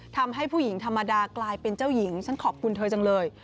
ทำให้ผู้หญิงธรรมดากลายเป็นเจ้าหญิงฉันขอบคุณเธอจังเลย